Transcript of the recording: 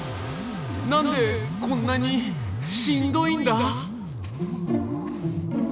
何でこんなにしんどいんだ？